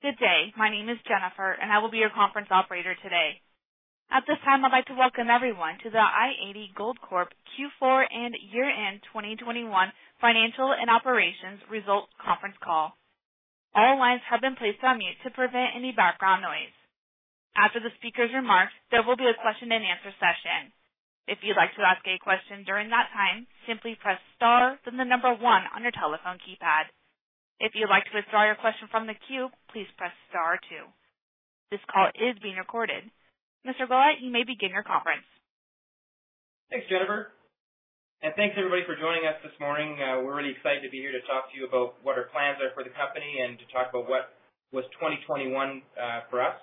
Good day. My name is Jennifer, and I will be your conference operator today. At this time, I'd like to welcome everyone to the i-80 Gold Corp Q4 and year-end 2021 financial and operations results conference call. All lines have been placed on mute to prevent any background noise. After the speaker's remarks, there will be a question-and-answer session. If you'd like to ask a question during that time, simply press star then the number one on your telephone keypad. If you'd like to withdraw your question from the queue, please press star two. This call is being recorded. Mr. Gollat, you may begin your conference. Thanks, Jennifer, and thanks everybody for joining us this morning. We're really excited to be here to talk to you about what our plans are for the company and to talk about what was 2021 for us.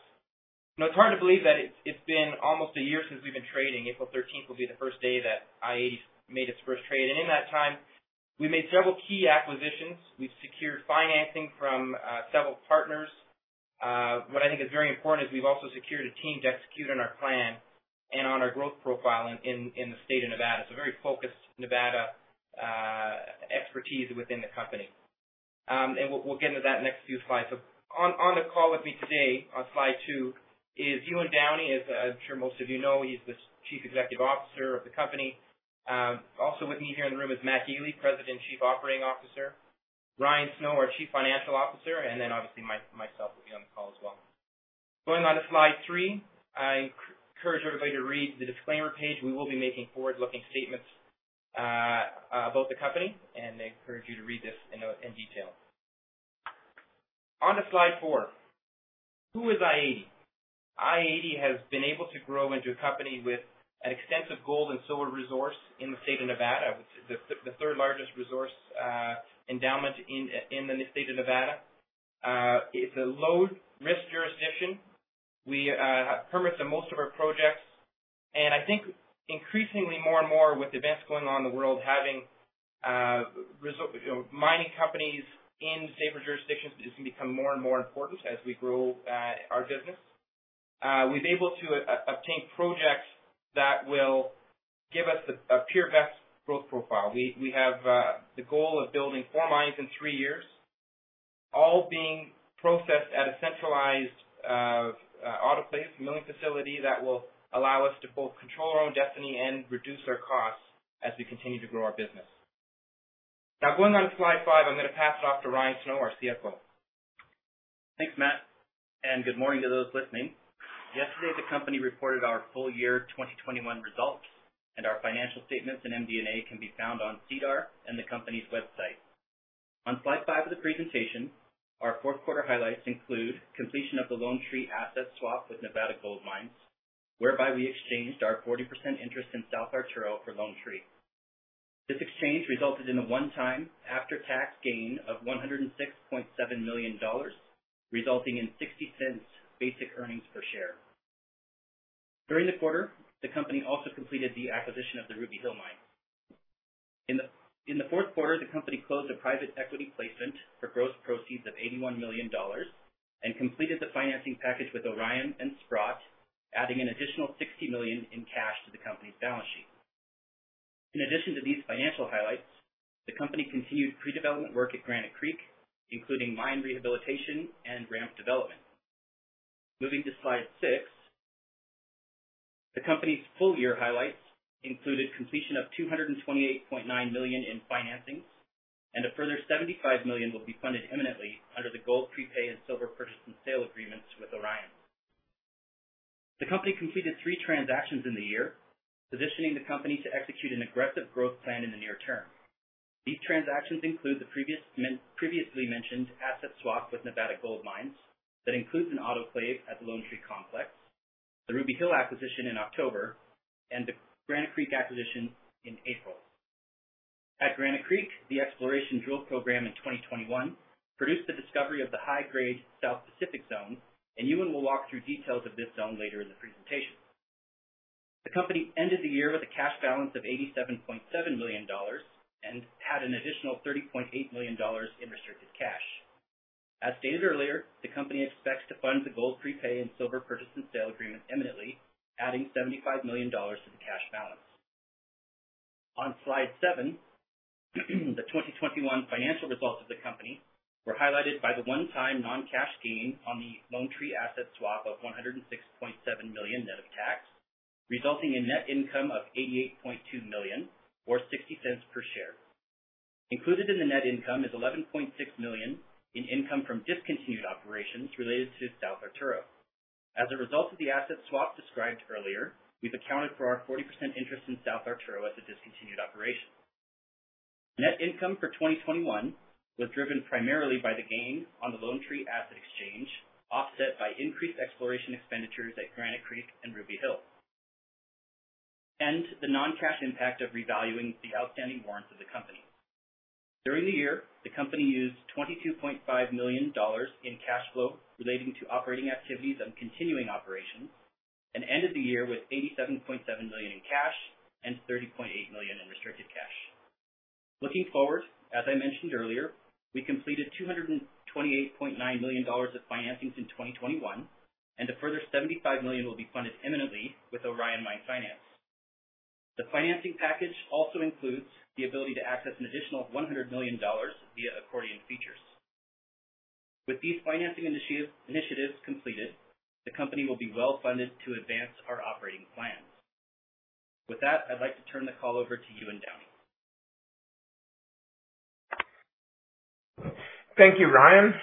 You know, it's hard to believe that it's been almost a year since we've been trading. April 13 will be the first day that i-80 made its first trade. In that time, we made several key acquisitions. We've secured financing from several partners. What I think is very important is we've also secured a team to execute on our plan and on our growth profile in the state of Nevada. It's a very focused Nevada expertise within the company. We'll get into that next few slides. On the call with me today, on slide two, is Ewan Downie. I'm sure most of you know, he's the Chief Executive Officer of the company. Also, with me here in the room is Matt Gili, President and Chief Operating Officer, Ryan Snow, our Chief Financial Officer, and then obviously myself will be on the call as well. Going on to slide three, I encourage everybody to read the disclaimer page. We will be making forward-looking statements about the company, and I encourage you to read this in detail. On to slide four. Who is i-80? i-80 has been able to grow into a company with an extensive gold and silver resource in the state of Nevada, which is the third largest resource endowment in the state of Nevada. It's a low-risk jurisdiction. We have permits on most of our projects, and I think increasingly more and more with events going on in the world, having you know, mining companies in safer jurisdictions is going to become more and more important as we grow our business. We've been able to obtain projects that will give us a pure best growth profile. We have the goal of building four mines in three years; all being processed at a centralized autoclave milling facility that will allow us to both control our own destiny and reduce our costs as we continue to grow our business. Now, going on to slide five, I'm going to pass it off to Ryan Snow, our CFO. Thanks, Matt, and good morning to those listening. Yesterday, the company reported our full year 2021 results, and our financial statements and MD&A can be found on SEDAR and the company's website. On slide five of the presentation, our fourth quarter highlights include completion of the Lone Tree asset swap with Nevada Gold Mines, whereby we exchanged our 40% interest in South Arturo for Lone Tree. This exchange resulted in a one-time after-tax gain of $106.7 million, resulting in $0.60 basic earnings per share. During the quarter, the company also completed the acquisition of the Ruby Hill mine. In the fourth quarter, the company closed a private equity placement for gross proceeds of $81 million and completed the financing package with Orion and Sprott, adding an additional $60 million in cash to the company's balance sheet. In addition to these financial highlights, the company continued pre-development work at Granite Creek, including mine rehabilitation and ramp development. Moving to slide six, the company's full year highlights included completion of $228.9 million in financings, and a further $75 million will be funded imminently under the gold prepay and silver purchase and sale agreements with Orion. The company completed three transactions in the year, positioning the company to execute an aggressive growth plan in the near term. These transactions include the previously mentioned asset swap with Nevada Gold Mines that includes an autoclave at the Lone Tree complex, the Ruby Hill acquisition in October, and the Granite Creek acquisition in April. At Granite Creek, the exploration drill program in 2021 produced the discovery of the high-grade South Pacific Zone, and Ewan will walk through details of this zone later in the presentation. The company ended the year with a cash balance of $87.7 million and had an additional $30.8 million in restricted cash. As stated earlier, the company expects to fund the gold prepay and silver purchase and sale agreement imminently, adding $75 million to the cash balance. On slide seven, the 2021 financial results of the company were highlighted by the one-time non-cash gain on the Lone Tree asset swap of $106.7 million net of tax, resulting in net income of $88.2 million or $0.60 per share. Included in the net income is $11.6 million in income from discontinued operations related to South Arturo. As a result of the asset swap described earlier, we've accounted for our 40% interest in South Arturo as a discontinued operation. Net income for 2021 was driven primarily by the gain on the Lone Tree asset exchange, offset by increased exploration expenditures at Granite Creek and Ruby Hill, and the non-cash impact of revaluing the outstanding warrants of the company. During the year, the company used $22.5 million in cash flow relating to operating activities and continuing operations, and ended the year with $87.7 million in cash and $30.8 million in restricted cash. Looking forward, as I mentioned earlier, we completed $228.9 million of financings in 2021, and a further $75 million will be funded imminently with Orion Mine Finance. The financing package also includes the ability to access an additional $100 million via accordion features. With these financing initiatives completed, the company will be well funded to advance our operating plans. With that, I'd like to turn the call over to you, Ewan Downie. Thank you, Ryan.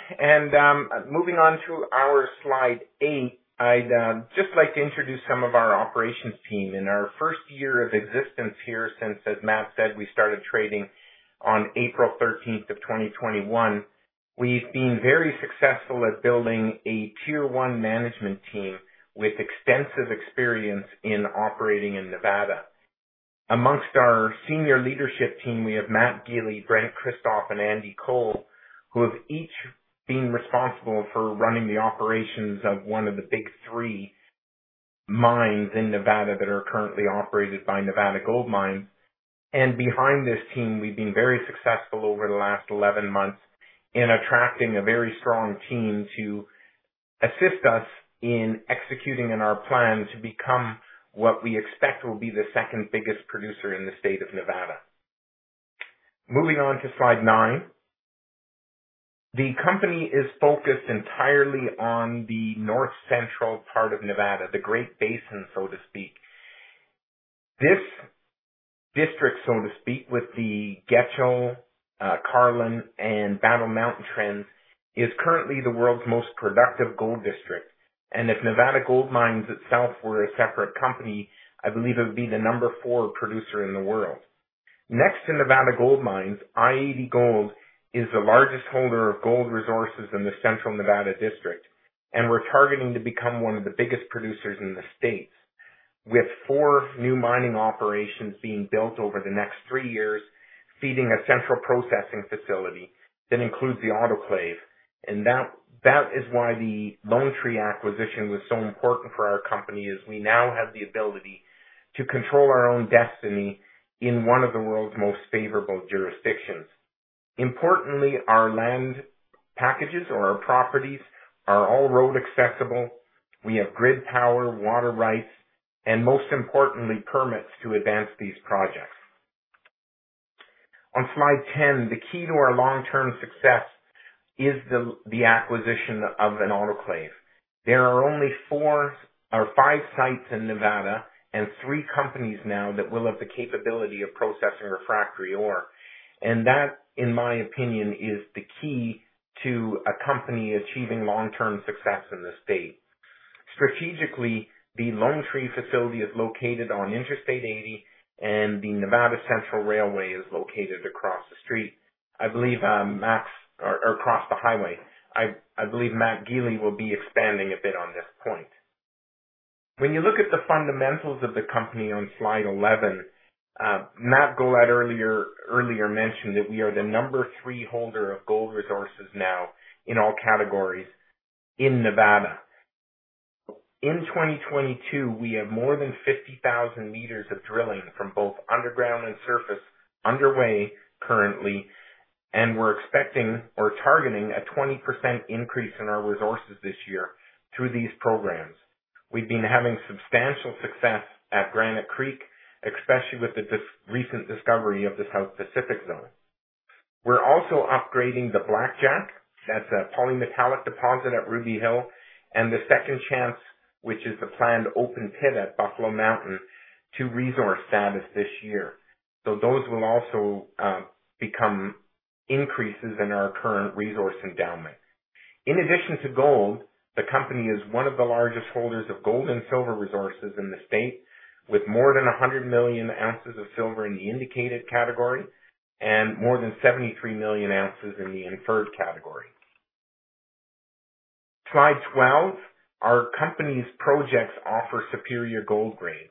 Moving on to our slide eight, I'd just like to introduce some of our operations team. In our first year of existence here since, as Matt said, we started trading on April 13th 2021, we've been very successful at building a Tier 1 Management Team with extensive experience in operating in Nevada. Amongst our senior leadership team, we have Matt Gili, Brent Kristof, and Andy Cole, who have each been responsible for running the operations of one of the big three mines in Nevada that are currently operated by Nevada Gold Mines. Behind this team, we've been very successful over the last 11 months in attracting a very strong team to assist us in executing on our plan to become what we expect will be the second biggest producer in the state of Nevada. Moving on to slide nine, the company is focused entirely on the north-central part of Nevada, the Great Basin, so to speak. This district, so to speak, with the Getchell, Carlin, and Battle Mountain Trends, is currently the world's most productive gold district. If Nevada Gold Mines itself were a separate company, I believe it would be the number four producer in the world. Next to Nevada Gold Mines, i-80 Gold is the largest holder of gold resources in the central Nevada district, and we're targeting to become one of the biggest producers in the states. With four new mining operations being built over the next three years, feeding a central processing facility that includes the autoclave. That is why the Lone Tree acquisition was so important for our company, is we now have the ability to control our own destiny in one of the world's most favorable jurisdictions. Importantly, our land packages or our properties are all road accessible. We have grid power, water rights, and most importantly, permits to advance these projects. On slide 10, the key to our long-term success is the acquisition of an autoclave. There are only four or five sites in Nevada and three companies now that will have the capability of processing refractory ore. That, in my opinion, is the key to a company achieving long-term success in the state. Strategically, the Lone Tree facility is located on Interstate 80, and the Nevada Central Railway is located across the street or across the highway. I believe Matt Gili will be expanding a bit on this point. When you look at the fundamentals of the company on slide 11, Matt Gollat earlier mentioned that we are the number three holder of gold resources now in all categories in Nevada. In 2022, we have more than 50,000 meters of drilling from both underground and surface underway currently, and we're expecting or targeting a 20% increase in our resources this year through these programs. We've been having substantial success at Granite Creek, especially with the recent discovery of the South Pacific Zone. We're also upgrading the Blackjack, that's a polymetallic deposit at Ruby Hill, and the Second Chance, which is the planned open pit at Buffalo Mountain, to resource status this year. Those will also become increases in our current resource endowment. In addition to gold, the company is one of the largest holders of gold and silver resources in the state, with more than 100 million ounces of silver in the indicated category, and more than 73 million ounces in the inferred category. Slide 12, our company's projects offer superior gold grades.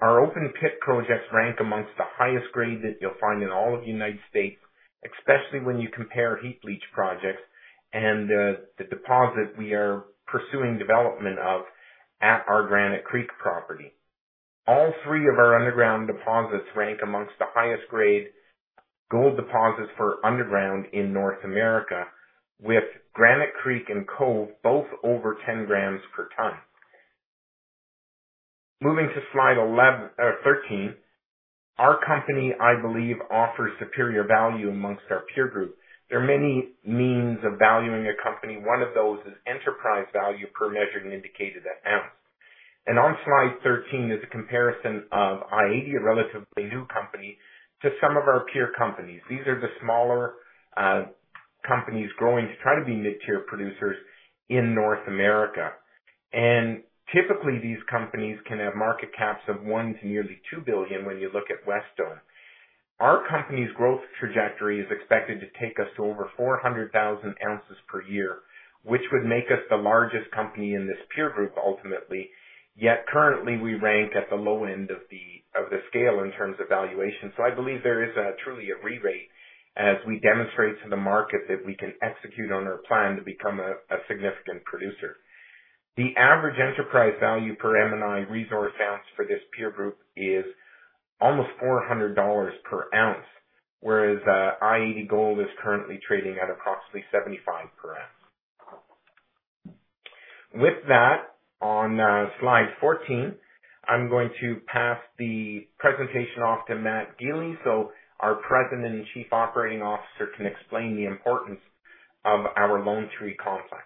Our open pit projects rank among the highest grades that you'll find in all of the United States, especially when you compare heap leach projects and the deposit. We are pursuing development of at our Granite Creek property. All three of our underground deposits rank among the highest-grade gold deposits for underground in North America, with Granite Creek and Cove both over 10 grams per ton. Moving to slide 13. Our company, I believe, offers superior value among our peer group. There are many means of valuing a company. One of those is enterprise value per measured and indicated ounce. On slide 13 is a comparison of M&I, a relatively new company, to some of our peer companies. These are the smaller companies growing to try to be mid-tier producers in North America. Typically, these companies can have market caps of $1 billion to nearly $2 billion when you look at Wesdome. Our company's growth trajectory is expected to take us to over 400,000 ounces per year, which would make us the largest company in this peer group ultimately. Yet currently, we rank at the low end of the scale in terms of valuation. I believe there is truly a re-rate as we demonstrate to the market that we can execute on our plan to become a significant producer. The average enterprise value per M&I resource ounce for this peer group is almost $400 per ounce, whereas i-80 Gold is currently trading at approximately $75 per ounce. With that, on slide 14, I'm going to pass the presentation off to Matt Gili so our President and Chief Operating Officer can explain the importance of our Lone Tree complex.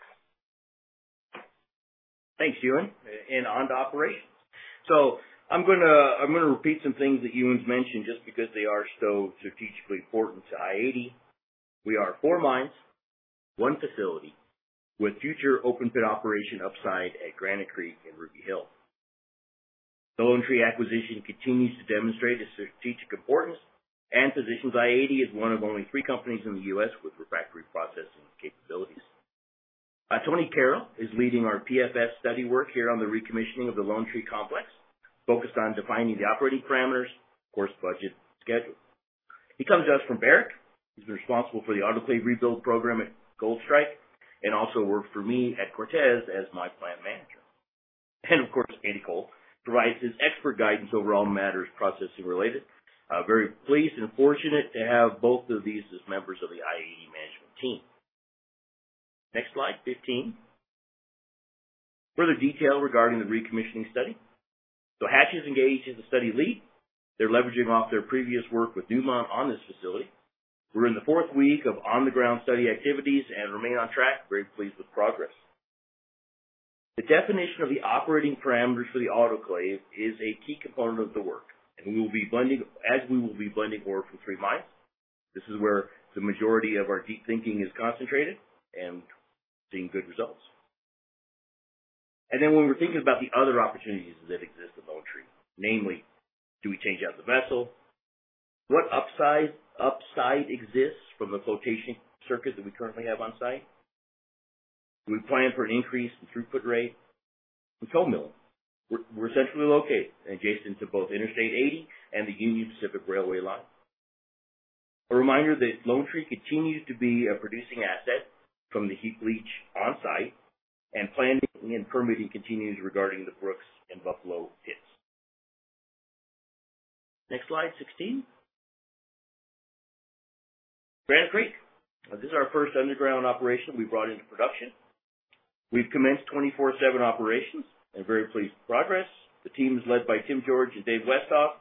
Thanks, Ewan, and on to Operations. I'm going to repeat some things that Ewan's mentioned just because they are so strategically important to i-80. We are four mines, one facility with future open pit operation upside at Granite Creek and Ruby Hill. The Lone Tree acquisition continues to demonstrate its strategic importance and positions i-80 as one of only three companies in the U.S. with refractory processing capabilities. Tony Carroll is leading our PFS study work here on the recommissioning of the Lone Tree complex, focused on defining the operating parameters, of course, budget and schedule. He comes to us from Barrick. He's been responsible for the autoclave rebuild program at Goldstrike and also worked for me at Cortez as my Plant Manager. Of course, Andy Cole provides his expert guidance over all matters processing related. Very pleased and fortunate to have both of these as members of the i-80 management team. Next slide 15, further detail regarding the recommissioning study. Hatch is engaged as the study lead. They're leveraging off their previous work with Newmont on this facility. We're in the fourth week of on-the-ground study activities and remain on track. Very pleased with progress. The definition of the operating parameters for the autoclave is a key component of the work, and we will be blending ore from three mines. This is where the majority of our deep thinking is concentrated and seeing good results. When we're thinking about the other opportunities that exist at Lone Tree, namely, do we change out the vessel? What upside exists from the flotation circuit that we currently have on site? Do we plan for an increase in throughput rate? The toll mill. We're centrally located adjacent to both Interstate 80 and the Union Pacific Railroad line. A reminder that Lone Tree continues to be a producing asset from the heap leach on site and planning and permitting continues regarding the Brooks and Buffalo pits. Next slide 16, Granite Creek. This is our first underground operation we brought into production. We've commenced 24/7 operations and we're very pleased with progress. The team is led by Tim George and Dave Westhoff,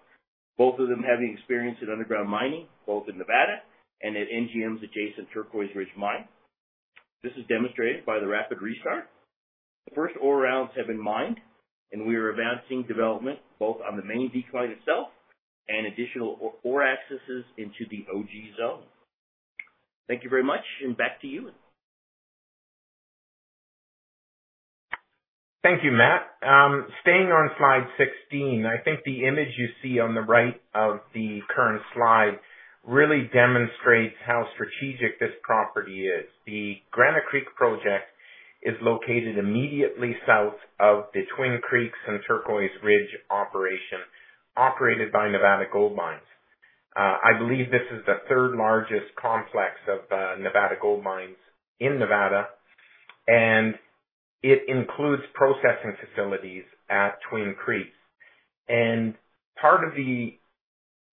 both of them having experience in underground mining, both in Nevada and at NGM's adjacent Turquoise Ridge mine. This is demonstrated by the rapid restart. The first ore rounds have been mined, and we are advancing development both on the main decline itself and additional ore accesses into the OG zone. Thank you very much and back to Ewan. Thank you, Matt. Staying on slide 16, I think the image you see on the right of the current slide really demonstrates how strategic this property is. The Granite Creek project is located immediately south of the Twin Creeks and Turquoise Ridge operation operated by Nevada Gold Mines. I believe this is the third largest complex of Nevada Gold Mines in Nevada, and it includes processing facilities at Twin Creeks. Part of the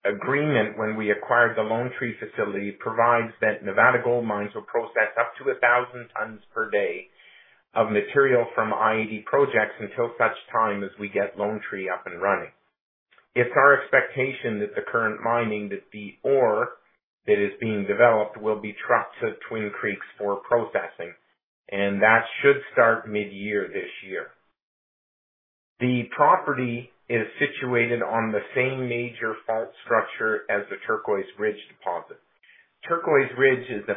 agreement when we acquired the Lone Tree facility provides that Nevada Gold Mines will process up to 1,000 tons per day of material from i-80 projects until such time as we get Lone Tree up and running. It's our expectation that the current mining, that the ore that is being developed, will be trucked to Twin Creeks for processing, and that should start mid-year this year. The property is situated on the same major fault structure as the Turquoise Ridge deposit. Turquoise Ridge is a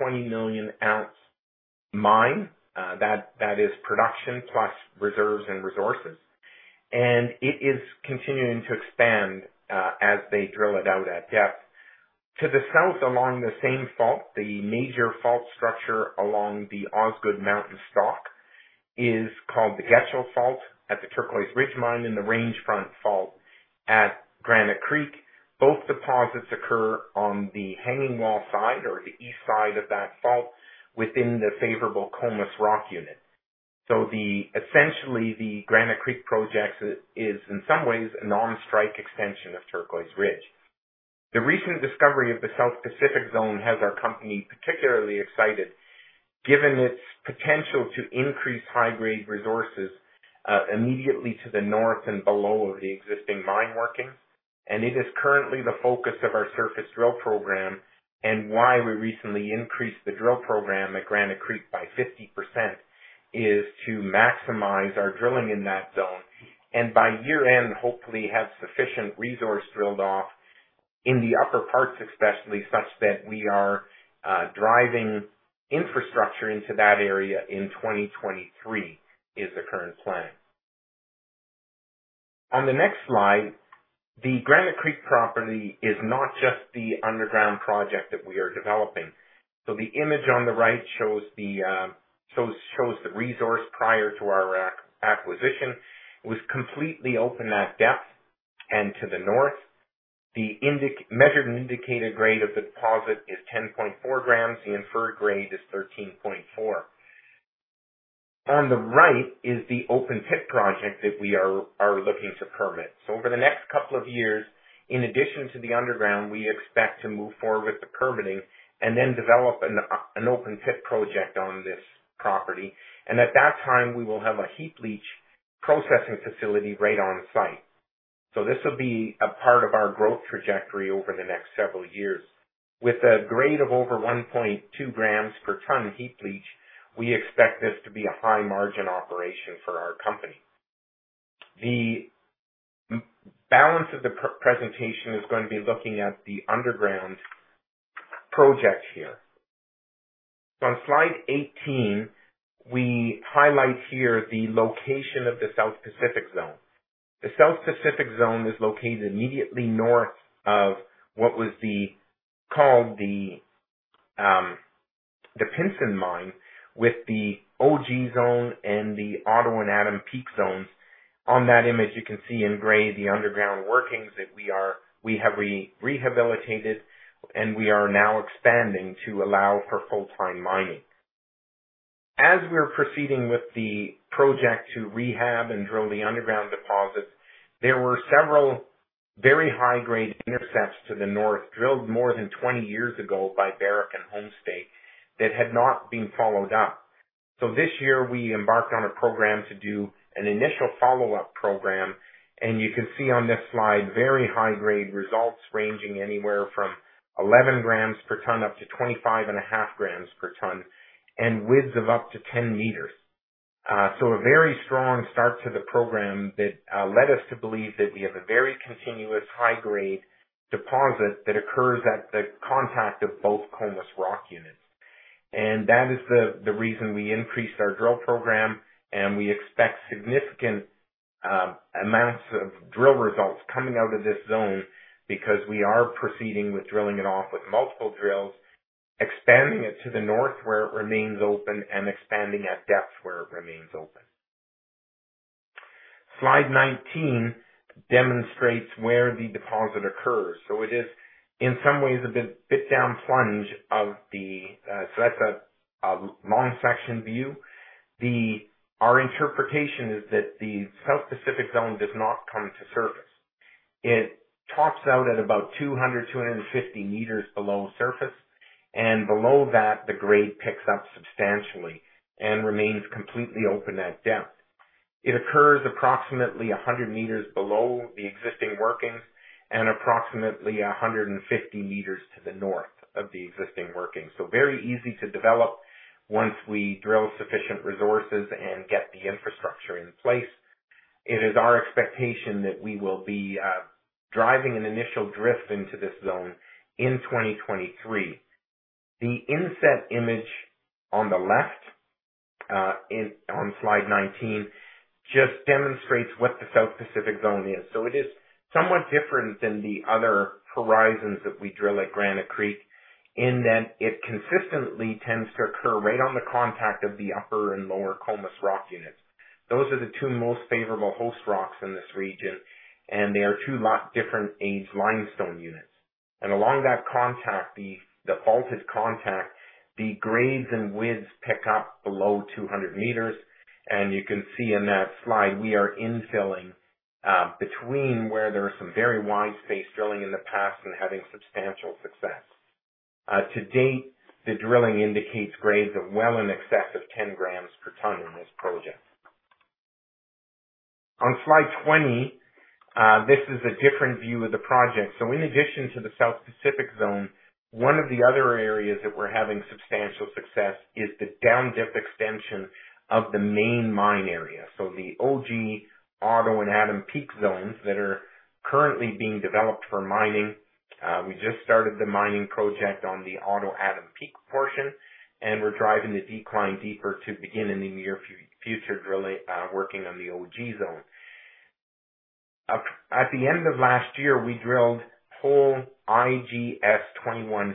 +20 million ounce mine, that is production plus reserves and resources, and it is continuing to expand as they drill it out at depth. To the South, along the same fault, the major fault structure along the Osgood Mountain stock is called the Getchell Fault at the Turquoise Ridge mine and the Range Front fault at Granite Creek. Both deposits occur on the hanging wall side or the east side of that fault within the favorable Comus rock unit. Essentially, the Granite Creek projects is in some ways an on strike extension of Turquoise Ridge. The recent discovery of the South Pacific Zone has our company particularly excited, given its potential to increase high-grade resources immediately to the north and below of the existing mine workings. It is currently the focus of our surface drill program and why we recently increased the drill program at Granite Creek by 50% is to maximize our drilling in that zone. By year-end, hopefully have sufficient resource drilled off in the upper parts especially such that we are driving infrastructure into that area in 2023 is the current plan. On the next slide, the Granite Creek property is not just the underground project that we are developing. The image on the right shows the resource prior to our acquisition. It was completely open at depth and to the north. The measured and indicated grade of the deposit is 10.4 grams. The inferred grade is 13.4. On the right is the open-pit project that we are looking to permit. Over the next couple of years, in addition to the underground, we expect to move forward with the permitting and then develop an open pit project on this property. And at that time, we will have a heap leach processing facility right on site. This will be a part of our growth trajectory over the next several years. With a grade of over 1.2 grams per ton heap leach, we expect this to be a high margin operation for our company. The balance of the pre-presentation is going to be looking at the underground project here. On slide 18, we highlight here the location of the South Pacific Zone. The South Pacific Zone is located immediately north of what was called the Pinson Mine with the OG Zone and the Otto and Adam Peak Zones. On that image, you can see in gray the underground workings that we have rehabilitated, and we are now expanding to allow for full-time mining. As we're proceeding with the project to rehab and drill the underground deposits, there were several very high-grade intercepts to the north, drilled more than 20 years ago by Barrick and Homestake that had not been followed up. This year, we embarked on a program to do an initial follow-up program. You can see on this slide, very high-grade results ranging anywhere from 11 grams per ton up to 25.5 grams per ton and widths of up to 10 meters. A very strong start to the program that led us to believe that we have a very continuous high-grade deposit that occurs at the contact of both Comus rock units. That is the reason we increased our drill program, and we expect significant amounts of drill results coming out of this zone because we are proceeding with drilling it off with multiple drills, expanding it to the north, where it remains open, and expanding at depths where it remains open. Slide 19 demonstrates where the deposit occurs. It is in some ways a bit down plunge of the. That's a long section view. Our interpretation is that the South Pacific Zone does not come to surface. It tops out at about 200-250 meters below surface, and below that, the grade picks up substantially and remains completely open at depth. It occurs approximately 100 meters below the existing workings and approximately 150 meters to the north of the existing workings. Very easy to develop once we drill sufficient resources and get the infrastructure in place. It is our expectation that we will be driving an initial drift into this zone in 2023. The inset image on the left on slide 19 just demonstrates what the South Pacific Zone is. It is somewhat different than the other horizons that we drill at Granite Creek in that it consistently tends to occur right on the contact of the upper and lower Comus rock units. Those are the two most favorable host rocks in this region, and they are two totally different aged limestone units. Along that contact, the fault contact, the grades and widths pick up below 200 meters. You can see in that slide, we are infilling between where there are some very wide-spaced drilling in the past and having substantial success. To date, the drilling indicates grades of well in excess of 10 grams per ton in this project. On slide 20, this is a different view of the project. In addition to the South Pacific Zone, one of the other areas that we're having substantial success is the down-dip extension of the main mine area. The OG, Otto, and Adam Peak zones that are currently being developed for mining. We just started the mining project on the Otto, Adam Peak portion, and we're driving the decline deeper to begin in the near future, drilling, working on the OG zone. At the end of last year, we drilled hole iGS 21-15.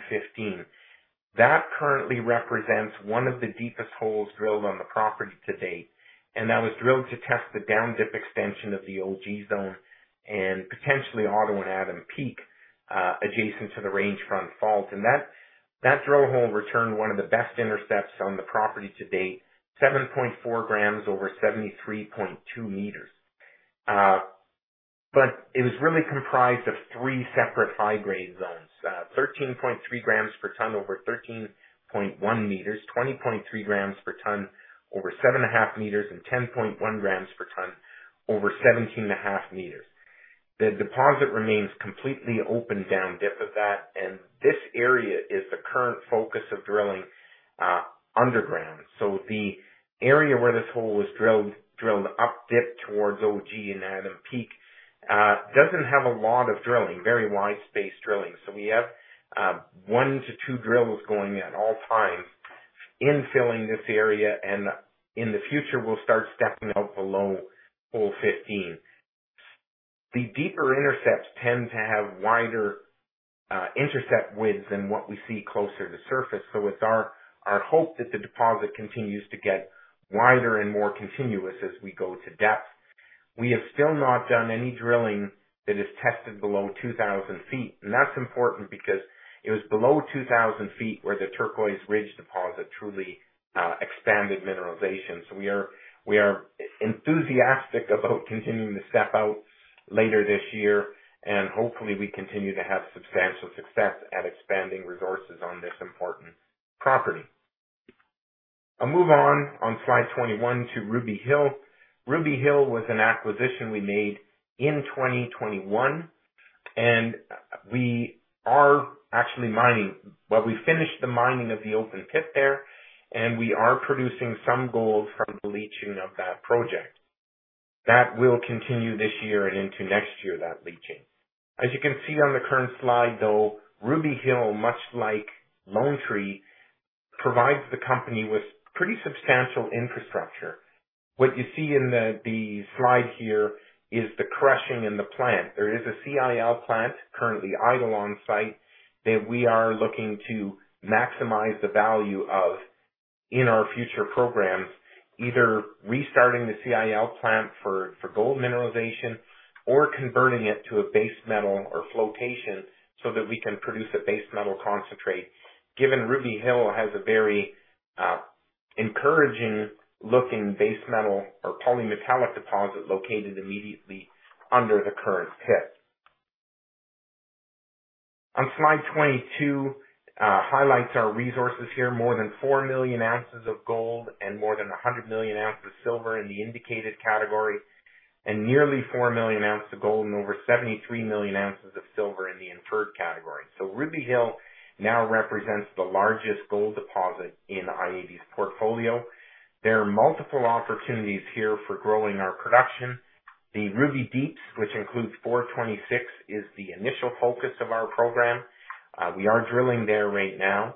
That currently represents one of the deepest holes drilled on the property to date, and that was drilled to test the down-dip extension of the OG zone and potentially Otto and Adam Peak, adjacent to the Range Front fault. That drill hole returned one of the best intercepts on the property to date, 7.4 grams over 73.2 meters. It was really comprised of three separate high-grade zones. 13.3 grams per ton over 13.1 meters, 20.3 grams per ton over 7.5 meters, and 10.1 grams per ton over 17.5 meters. The deposit remains completely open down dip of that, and this area is the current focus of drilling underground. The area where this hole was drilled up dip towards OG and Adam Peak doesn't have a lot of drilling, very wide-spaced drilling. We have one to two drills going at all times infilling this area. In the future, we'll start stepping out below Hole 15. The deeper intercepts tend to have wider intercept widths than what we see closer to surface. It's our hope that the deposit continues to get wider and more continuous as we go to depth. We have still not done any drilling that is tested below 2,000 feet, and that's important because it was below 2,000 ft where the Turquoise Ridge deposit truly expanded mineralization. We are enthusiastic about continuing to step out later this year, and hopefully, we continue to have substantial success at expanding resources on this important property. I'll move on slide 21 to Ruby Hill. Ruby Hill was an acquisition we made in 2021, and we are actually mining. Well, we finished the mining of the open pit there, and we are producing some gold from the leaching of that project. That will continue this year and into next year, that leaching. As you can see on the current slide, though, Ruby Hill, much like Lone Tree, provides the company with pretty substantial infrastructure. What you see in the slide here is the crushing and the plant. There is a CIL plant currently idle on-site that we are looking to maximize the value of in our future programs, either restarting the CIL plant for gold mineralization or converting it to a base metal or flotation so that we can produce a base metal concentrate given Ruby Hill has a very encouraging looking base metal or polymetallic deposit located immediately under the current pit. On slide 22 highlights our resources here. More than 4 million ounces of gold and more than 100 million ounces of silver in the indicated category, and nearly 4 million ounces of gold and over 73 million ounces of silver in the inferred category. Ruby Hill now represents the largest gold deposit in i-80's portfolio. There are multiple opportunities here for growing our production. The Ruby Deeps, which includes 426, is the initial focus of our program. We are drilling there right now.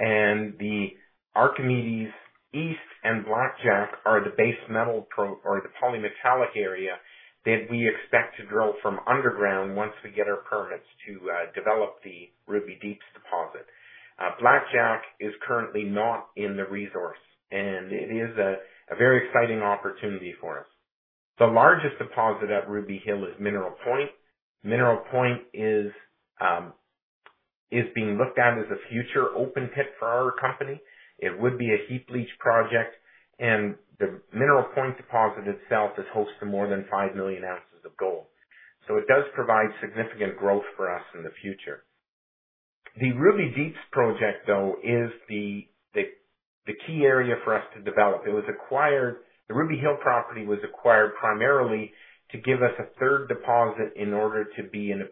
The Archimedes East and Blackjack are the base metal or the polymetallic area that we expect to drill from underground once we get our permits to develop the Ruby Deeps deposit. Blackjack is currently not in the resource, and it is a very exciting opportunity for us. The largest deposit at Ruby Hill is Mineral Point. Mineral Point is being looked at as a future open pit for our company. It would be a heap leach project, and the Mineral Point deposit itself is host to more than 5 million ounces of gold. It does provide significant growth for us in the future. The Ruby Deeps project, though, is the key area for us to develop. It was acquired. The Ruby Hill property was acquired primarily to give us a third refractory deposit to be in a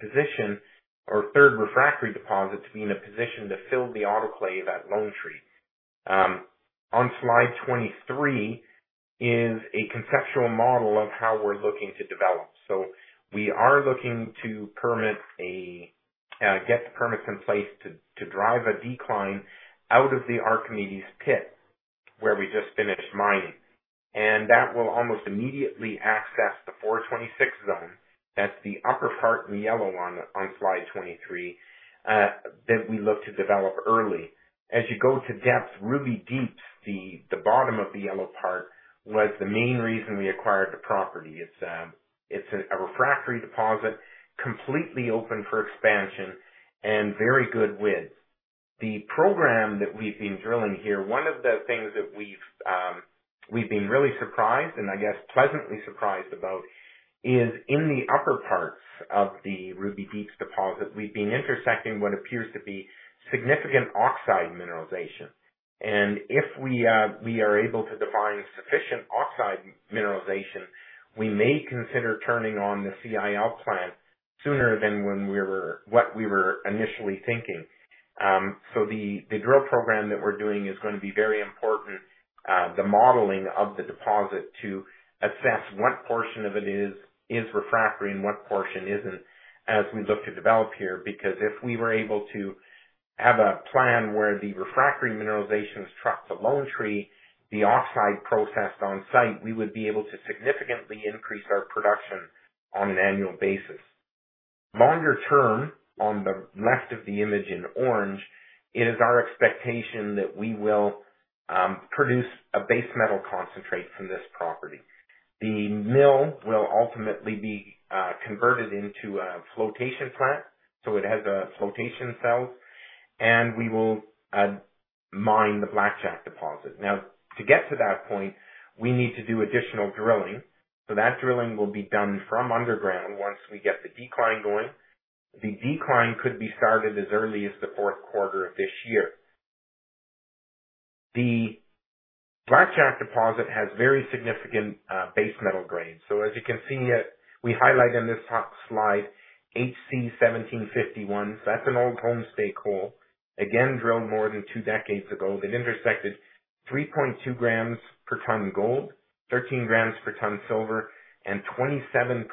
position to fill the autoclave at Lone Tree. On slide 23 is a conceptual model of how we're looking to develop. We are looking to get the permits in place to drive a decline out of the Archimedes pit, where we just finished mining. That will almost immediately access the 426 Zone. That's the upper part, the yellow one on slide 23, that we look to develop early. As you go to depth, Ruby Deeps, the bottom of the yellow part, was the main reason we acquired the property. It's a refractory deposit, completely open for expansion and very good widths. The program that we've been drilling here, one of the things that we've been really surprised, and I guess pleasantly surprised about is in the upper parts of the Ruby Deeps deposit, we've been intersecting what appears to be significant oxide mineralization. If we are able to define sufficient oxide mineralization, we may consider turning on the CIL plant sooner than what we were initially thinking. The drill program that we're doing is going to be very important, the modeling of the deposit to assess what portion of it is refractory and what portion isn't as we look to develop here. If we were able to have a plan where the refractory mineralization is trucked to Lone Tree, the oxide processed on-site, we would be able to significantly increase our production on an annual basis. Longer term, on the left of the image in orange, it is our expectation that we will produce a base metal concentrate from this property. The mill will ultimately be converted into a flotation plant, so it has a flotation cell, and we will mine the Blackjack deposit. Now, to get to that point, we need to do additional drilling. That drilling will be done from underground once we get the decline going. The decline could be started as early as the fourth quarter of this year. The Blackjack deposit has very significant base metal grades. As you can see, we highlight on this top slide HC-1751. That's an old Homestake hole, again, drilled more than two decades ago. It intersected 3.2 grams per ton gold, 13 grams per ton silver, and 27%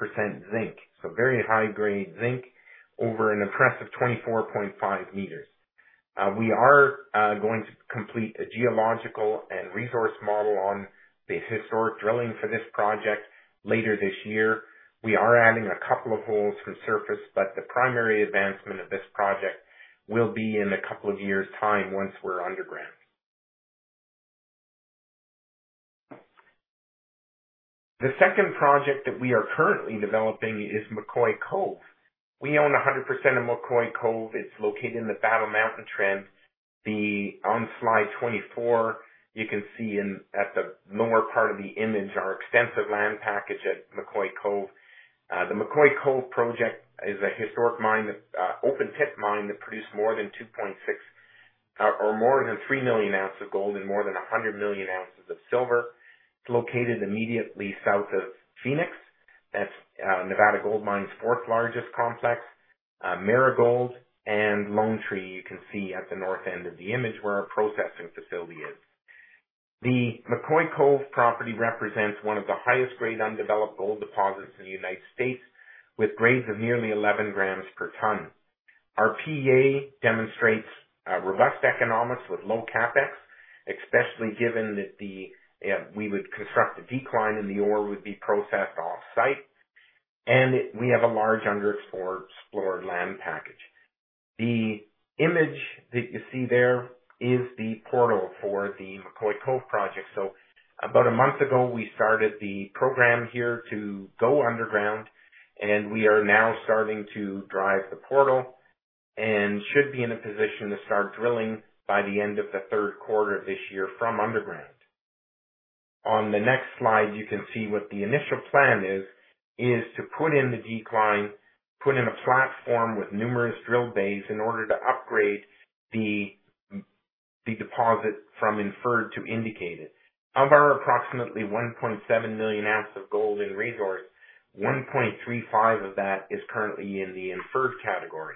zinc. Very high-grade zinc over an impressive 24.5 meters. We are going to complete a geological and resource model on the historic drilling for this project later this year. We are adding a couple of holes from surface, but the primary advancement of this project will be in a couple of years' time once we're underground. The second project that we are currently developing is McCoy Cove. We own 100% of McCoy Cove. It's located in the Battle Mountain Trend. On slide 24, you can see in at the lower part of the image, our extensive land package at McCoy Cove. The McCoy Cove project is a historic mine that open-pit mine that produced more than 2.6 or more than 3 million ounces of gold and more than 100 million ounces of silver. It's located immediately south of Phoenix. That's Nevada Gold Mines' fourth largest complex. Marigold and Lone Tree, you can see at the north end of the image where our processing facility is. The McCoy Cove property represents one of the highest grade undeveloped gold deposits in the United States, with grades of nearly 11 grams per ton. Our PEA demonstrates robust economics with low CapEx, especially given that we would construct a decline and the ore would be processed off-site. We have a large underexplored land package. The image that you see there is the portal for the McCoy Cove project. About a month ago, we started the program here to go underground, and we are now starting to drive the portal and should be in a position to start drilling by the end of the third quarter of this year from underground. On the next slide, you can see what the initial plan is to put in the decline, put in a platform with numerous drill bays in order to upgrade the deposit from inferred to indicated. Of our approximately 1.7 million ounces of gold in resource, 1.35 of that is currently in the inferred category.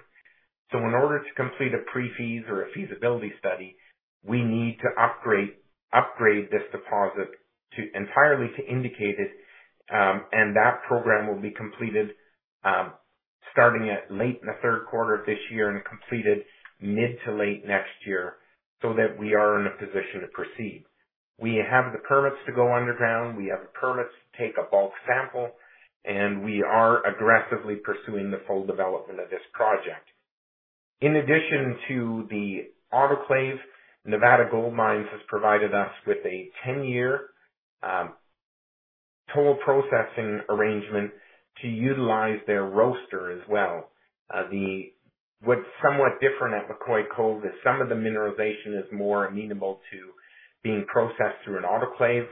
In order to complete a pre-feas or a feasibility study, we need to upgrade this deposit to entirely indicated. That program will be completed starting at late in the third quarter of this year and completed mid to late next year, so that we are in a position to proceed. We have the permits to go underground. We have the permits to take a bulk sample, and we are aggressively pursuing the full development of this project. In addition to the autoclave, Nevada Gold Mines has provided us with a 10-year toll processing arrangement to utilize their roaster as well. What's somewhat different at McCoy Cove is some of the mineralization is more amenable to being processed through an autoclave,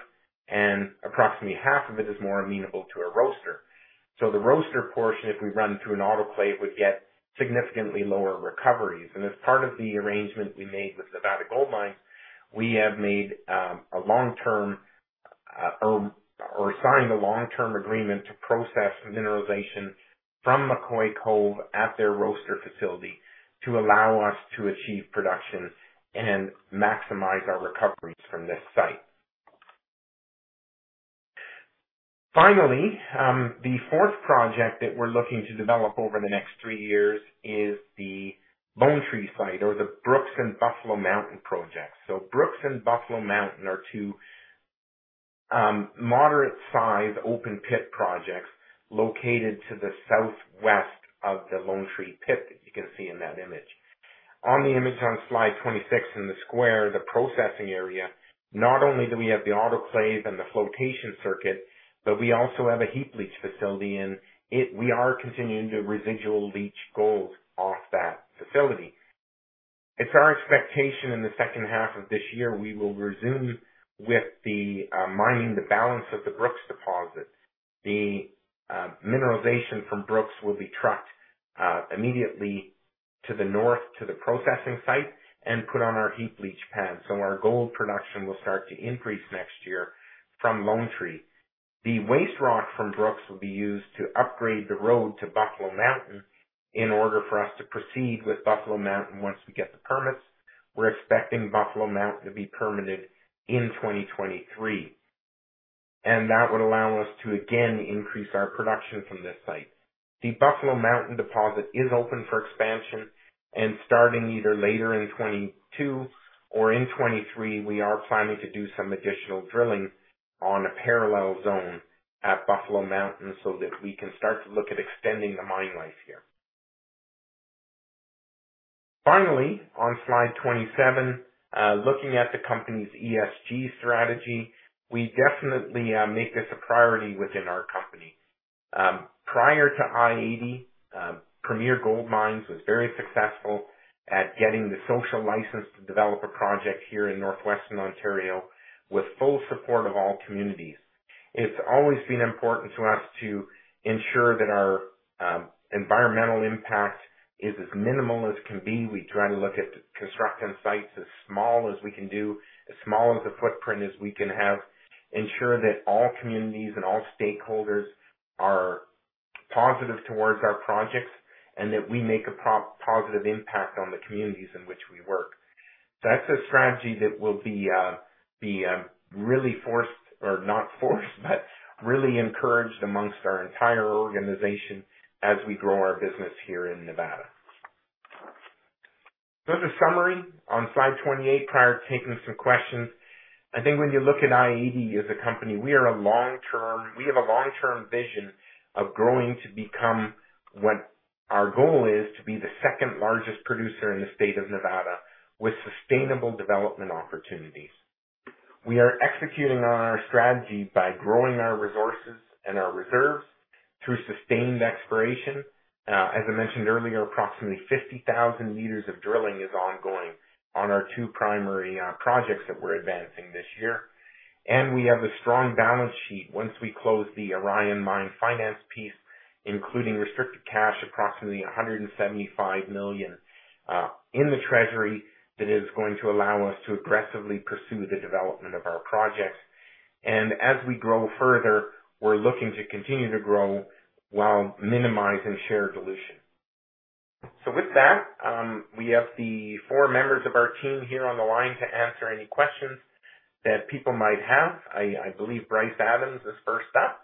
and approximately half of it is more amenable to a roaster. The roaster portion, if we run through an autoclave, would get significantly lower recoveries. As part of the arrangement we made with Nevada Gold Mines, we have signed a long-term agreement to process mineralization from McCoy Cove at their roaster facility to allow us to achieve production and maximize our recoveries from this site. Finally, the fourth project that we're looking to develop over the next three years is the Lone Tree site or the Brooks and Buffalo Mountain projects. Brooks and Buffalo Mountain are two moderate size open pit projects located to the southwest of the Lone Tree pit that you can see in that image. On the image on slide 26 in the square, the processing area, not only do we have the autoclave and the flotation circuit, but we also have a heap leach facility, and we are continuing to residual leach gold off that facility. It's our expectation in the second half of this year, we will resume with the mining the balance of the Brooks deposit. The mineralization from Brooks will be trucked immediately to the north to the processing site and put on our heap leach pad. Our gold production will start to increase next year from Lone Tree. The waste rock from Brooks will be used to upgrade the road to Buffalo Mountain in order for us to proceed with Buffalo Mountain once we get the permits. We're expecting Buffalo Mountain to be permitted in 2023. That would allow us to again increase our production from this site. The Buffalo Mountain deposit is open for expansion. Starting either later in 2022 or in 2023, we are planning to do some additional drilling on a parallel zone at Buffalo Mountain so that we can start to look at extending the mine life here. Finally, on slide 27, looking at the company's ESG strategy. We definitely make this a priority within our company. Prior to i-80, Premier Gold Mines was very successful at getting the social license to develop a project here in northwestern Ontario with full support of all communities. It's always been important to us to ensure that our environmental impact is as minimal as can be. We try to look at constructing sites as small as we can do, as small of a footprint as we can have, ensure that all communities and all stakeholders are positive towards our projects, and that we make a positive impact on the communities in which we work. That's a strategy that will be really forced or not forced, but really encouraged amongst our entire organization as we grow our business here in Nevada. As a summary on slide 28, prior to taking some questions, I think when you look at i-80 as a company, we have a long-term vision of growing to become what our goal is to be the second largest producer in the state of Nevada with sustainable development opportunities. We are executing on our strategy by growing our resources and our reserves through sustained exploration. As I mentioned earlier, approximately 50,000 meters of drilling is ongoing on our two primary projects that we're advancing this year. We have a strong balance sheet once we close the Orion Mine Finance piece, including restricted cash, approximately $175 million in the treasury that is going to allow us to aggressively pursue the development of our projects. As we grow further, we're looking to continue to grow while minimizing share dilution. With that, we have the four members of our team here on the line to answer any questions that people might have. I believe Bryce Adams is first up.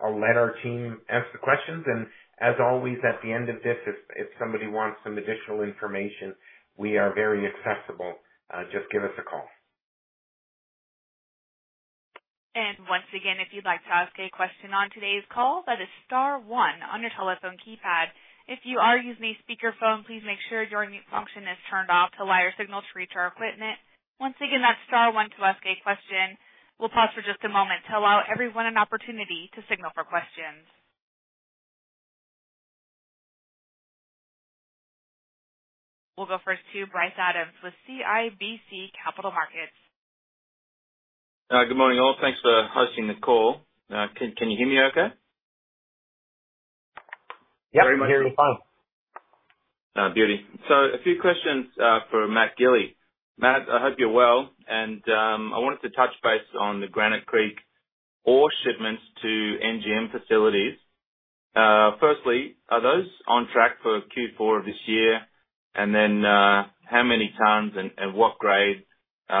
I'll let our team ask the questions, and as always, at the end of this, if somebody wants some additional information, we are very accessible. Just give us a call. Once again, if you'd like to ask a question on today's call, that is star one on your telephone keypad. If you are using a speakerphone, please make sure your mute function is turned off to allow your signal to reach our equipment. Once again, that's star one to ask a question. We'll pause for just a moment to allow everyone an opportunity to signal for questions. We'll go first to Bryce Adams with CIBC Capital Markets. Good morning, all. Thanks for hosting the call. Can you hear me okay? Yeah. We can hear you fine. A few questions for Matt Gili. Matt, I hope you're well, and I wanted to touch base on the Granite Creek ore shipments to NGM facilities. Firstly, are those on track for Q4 of this year? Then, how many tons and what grade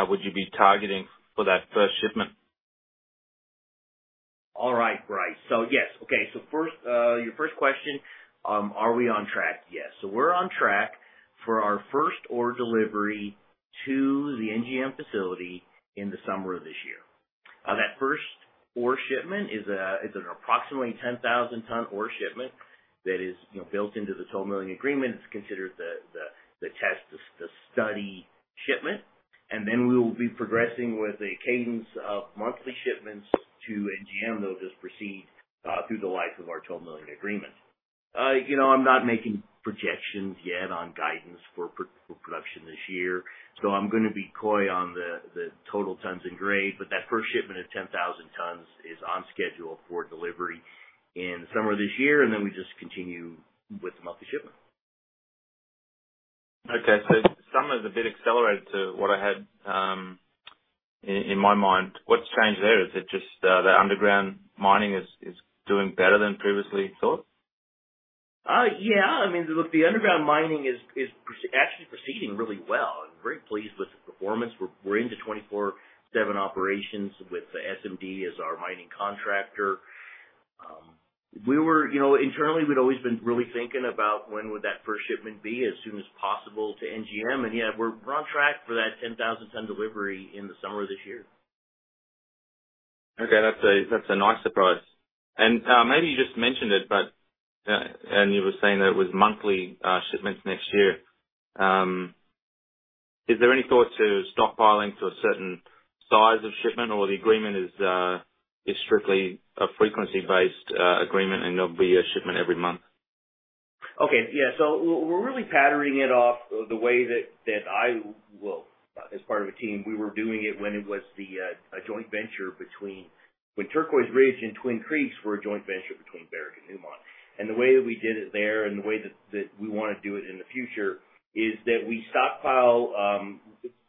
would you be targeting for that first shipment? All right, Bryce. Yes. Okay. First, your first question, are we on track? Yes. We're on track for our first ore delivery to the NGM facility in the summer of this year. That first ore shipment is an approximately 10,000-ton ore shipment that is, you know, built into the toll milling agreement. It's considered the test, the study shipment. We will be progressing with a cadence of monthly shipments to NGM. They'll just proceed through the life of our toll milling agreement. You know, I'm not making projections yet on guidance for production this year, so I'm going to be coy on the total tons in grade. That first shipment of 10,000 tons is on schedule for delivery in summer this year, and then we just continue with the monthly shipment. Okay. Summer is a bit accelerated to what I had in my mind. What's changed there? Is it just the underground mining is doing better than previously thought? Yes. I mean, look, the underground mining is actually proceeding really well. I'm very pleased with the performance. We're into 24/7 operations with SMD as our mining contractor. We were. You know, internally, we'd always been really thinking about when would that first shipment be as soon as possible to NGM. Yes, we're on track for that 10,000-ton delivery in the summer this year. Okay. That's a nice surprise. Maybe you just mentioned it, but you were saying that it was monthly shipments next year. Is there any thought to stockpiling to a certain size of shipment or the agreement is strictly a frequency-based agreement and there'll be a shipment every month? We're really patterning it off the way that as part of a team, we were doing it when Turquoise Ridge and Twin Creeks were a joint venture between Barrick and Newmont. The way that we did it there and the way that we want to do it in the future is that we stockpile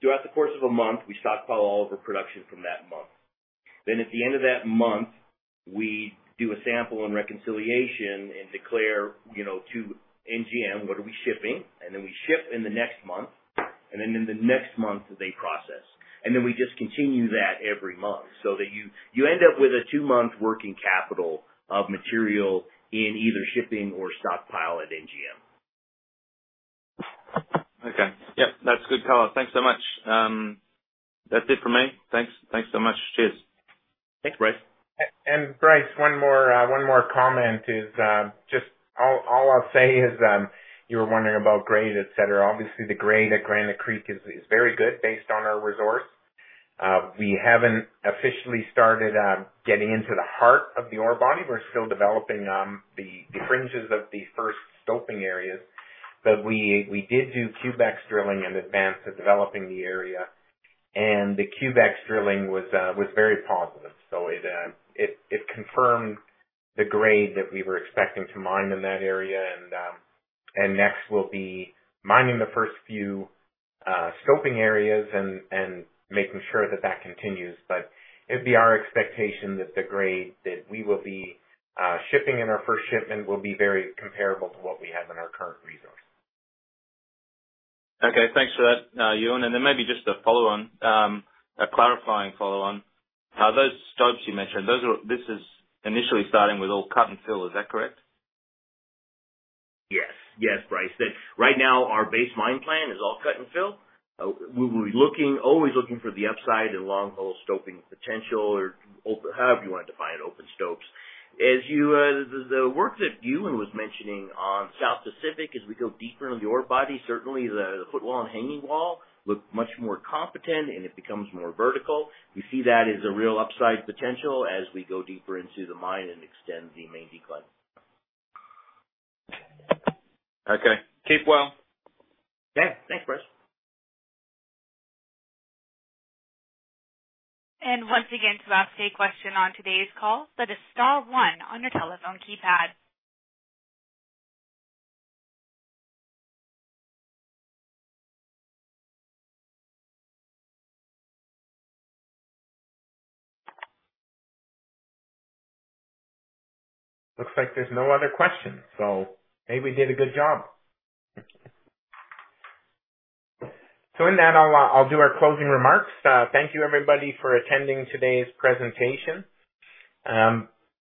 throughout the course of a month all of our production from that month. Then at the end of that month, we do a sample and reconciliation and declare, you know, to NGM what we're shipping. Then we ship in the next month, and then in the next month, they process. We just continue that every month so that you end up with a two-month working capital of material in either shipping or stockpile at NGM. Okay. Yep. That's a good call. Thanks so much. That's it for me. Thanks. Thanks so much. Cheers. Thanks, Bryce. Bryce, one more comment is just all I'll say is you were wondering about grade, et cetera. Obviously, the grade at Granite Creek is very good based on our resource. We haven't officially started getting into the heart of the ore body. We're still developing the fringes of the first stoping areas. We did do Cubex drilling in advance of developing the area, and the Cubex drilling was very positive. It confirmed the grade that we were expecting to mine in that area. Next, we'll be mining the first few stoping areas and making sure that that continues. It'd be our expectation that the grade that we will be shipping in our first shipment will be very comparable to what we have in our current resource. Okay. Thanks for that, Ewan. Maybe just a clarifying follow-on. Those stopes you mentioned, this is initially starting with all cut and fill. Is that correct? Yes. Yes, Bryce. Right now our base mine plan is all cut and fill. We're looking, always looking for the upside and long hole stoping potential or open, however you want to define it, open stopes. The work that Ewan was mentioning on South Pacific, as we go deeper into the ore body, certainly the footwall and hanging wall look much more competent, and it becomes more vertical. We see that as a real upside potential as we go deeper into the mine and extend the main decline. Okay. Keep well. Yeah. Thanks, Bryce. And once again, to ask a question on today's call, press star one on your telephone keypad. Looks like there's no other questions, so maybe we did a good job. Turn that a lot, I'll do our closing remarks. Thank you everybody for attending today's presentation.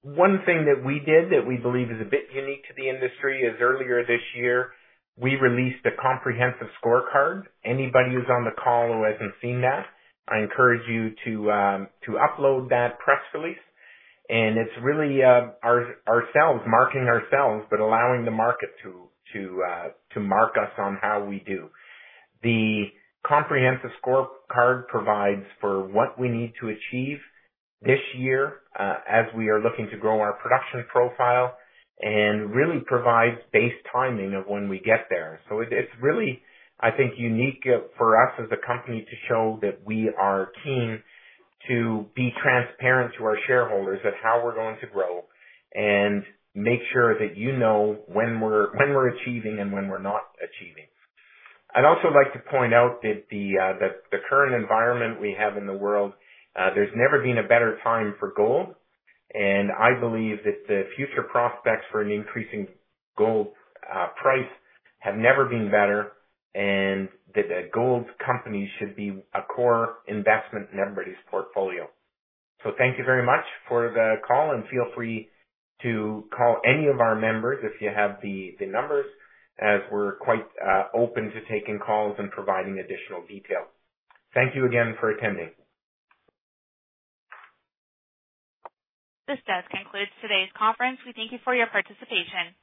One thing that we did that we believe is a bit unique to the industry is earlier this year, we released a comprehensive scorecard. Anybody who's on the call who hasn't seen that, I encourage you to upload that press release. It's really, ourselves marking ourselves, but allowing the market to mark us on how we do. The comprehensive scorecard provides for what we need to achieve this year, as we are looking to grow our production profile and really provides base timing of when we get there. It's really, I think, unique for us as a company to show that we are keen to be transparent to our shareholders of how we're going to grow and make sure that you know when we're achieving and when we're not achieving. I'd also like to point out that the current environment we have in the world, there's never been a better time for gold, and I believe that the future prospects for an increasing gold price have never been better and that a gold company should be a core investment in everybody's portfolio. Thank you very much for the call, and feel free to call any of our members if you have the numbers, as we're quite open to taking calls and providing additional detail. Thank you again for attending. This does conclude today's conference. We thank you for your participation.